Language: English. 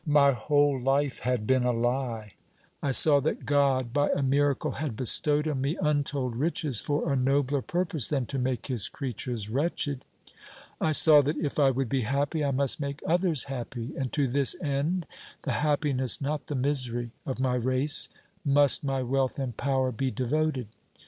My whole life had been a lie. I saw that God by a miracle had bestowed on me untold riches for a nobler purpose than to make his creatures wretched. I saw that if I would be happy I must make others happy, and to this end the happiness, not the misery, of my race must my wealth and power be devoted.